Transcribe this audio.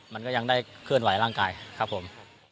มันก็ยังได้เคลื่อนไหวร่างกายครับผม